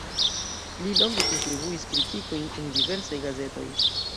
Li longe kontribuis kritikojn en diversaj gazetoj.